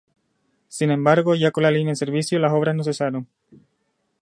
Sin embargo, ya con la línea en servicio, las obras no cesaron.